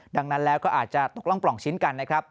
ดังนั้นแล้วก็อาจจะตกร่องปล่องชิ้นกันนะครับ